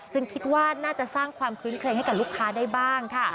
คิดว่าน่าจะสร้างความคื้นเครงให้กับลูกค้าได้บ้างค่ะ